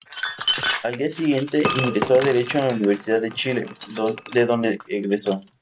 Al siguiente, ingresó a Derecho en la Universidad de Chile, de donde egresó.